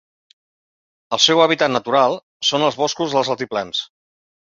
El seu hàbitat natural són els boscos dels altiplans.